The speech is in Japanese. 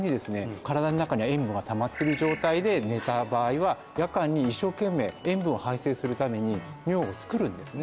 身体の中には塩分がたまってる状態で寝た場合は夜間に一生懸命塩分を排泄するために尿を作るんですね